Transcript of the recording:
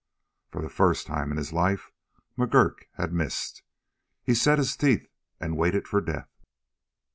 For the first time in his life McGurk had missed. He set his teeth and waited for death.